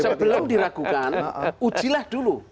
sebelum diragukan ujilah dulu